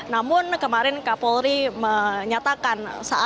namun kemarin kak polri menyatakan